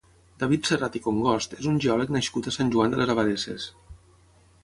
David Serrat i Congost és un geòleg nascut a Sant Joan de les Abadesses.